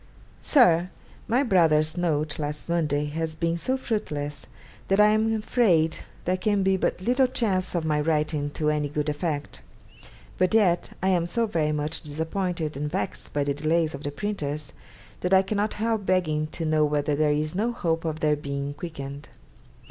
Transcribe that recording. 'SIR, My brother's note last Monday has been so fruitless, that I am afraid there can be but little chance of my writing to any good effect; but yet I am so very much disappointed and vexed by the delays of the printers, that I cannot help begging to know whether there is no hope of their being quickened.